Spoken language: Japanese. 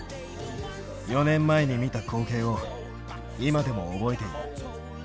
４年前に見た光景を今でも覚えている。